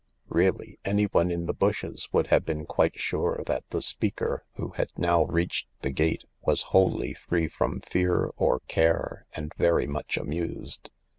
Really, anyone in the bushes would have been quite sure that the speaker, who had now reached the gate, was wholly free from fear or care and very much amused.